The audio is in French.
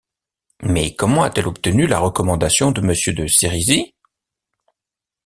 Mais comment a-t-elle obtenu la recommandation de monsieur de Sérisy?...